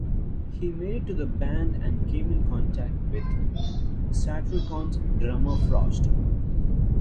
He made it to the band and came in contact with Satyricon's drummer Frost.